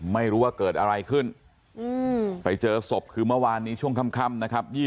ไม่รู้ว่าเกิดอะไรขึ้นไปเจอศพคือเมื่อวานนี้ช่วงค่ำนะครับ